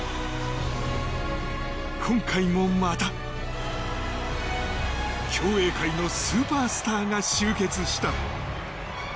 今回もまた、競泳界のスーパースターが集結した。